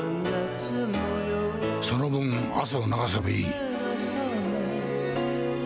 その分、汗を流せばいい。